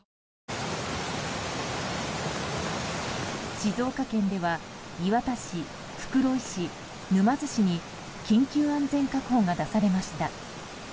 静岡県では磐田市、袋井市沼津市に緊急安全確保が出されました。